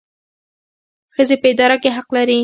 ښځې په اداره کې حق لري